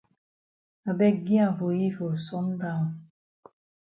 I beg gi am for yi for sun down.